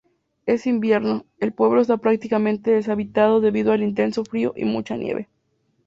En invierno, el pueblo está prácticamente deshabitado debido al intenso frío y mucha nieve.